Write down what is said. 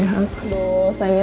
duh sayangnya tante